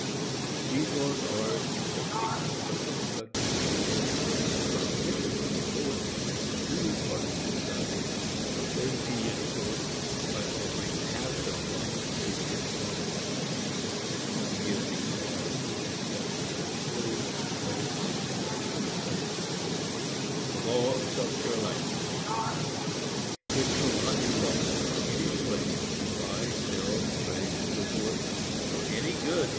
These laws are, in some cases, so constructed as to make it for the interest of the lowest and most brutal part of society that they be enforced, by offering half the profits to the informer. We give the following, as specimens of slave legislation on this subject: The law of South Carolina: [Sidenote: Stroud, pp. 46, 47. James' Digest, 385, 386. Act of 1740.] It shall not be lawful for any slave to buy, sell, trade, &c., for any goods, &c.